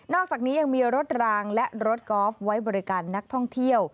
อกจากนี้ยังมีรถรางและรถกอล์ฟไว้บริการนักท่องเที่ยว